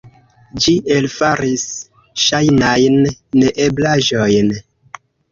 Ĝi elfaris ŝajnajn neeblaĵojn.